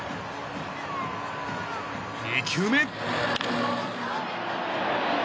２球目。